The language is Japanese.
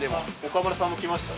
岡村さんも来ました。